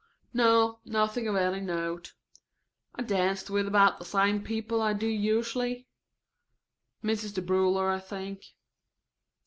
"No, nothing of any note. I danced with about the same people I do usually. Mrs. DeBruler, I think."